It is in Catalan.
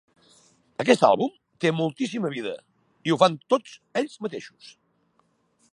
Aquest àlbum té moltíssima vida i ho fan tot ells mateixos.